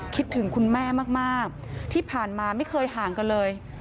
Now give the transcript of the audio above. คิดถึงคุณแม่มากที่ผ่านมาไม่เคยห่างกันเลย